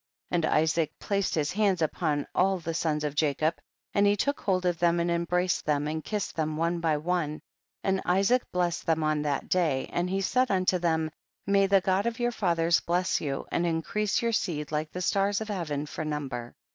5. And Isaac placed his hands up on all the sons of Jacob, and he took hold of them and embraced them, and kissed them one by one, and Isaac blessed them on that day, and he said unto them, may the God of your fathers bless you and increase your seed like the stars of heaven for number.